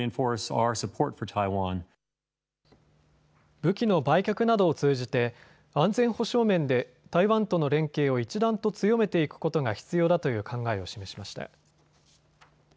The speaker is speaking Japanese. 武器の売却などを通じて安全保障面で台湾との連携を一段と強めていくことが必要だという考えを示しました。